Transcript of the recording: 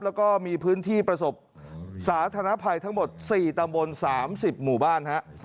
แล้วก็มีพื้นที่ประสบสาธารณภัยทั้งหมด๔ตำบล๓๐หมู่บ้านฮะ